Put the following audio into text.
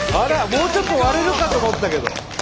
もうちょっと割れるかと思ったけど。